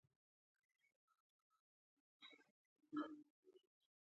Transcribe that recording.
نور مې نو بوټونه په پښو کړل.